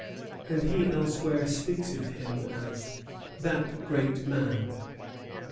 And he elsewhere speaks of him as "that great man."